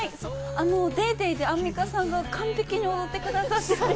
『ＤａｙＤａｙ．』で、アンミカさんが完璧に踊ってくださって。